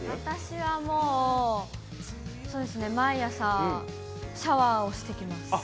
私はもう、そうですね、毎朝シャワーをしてきます。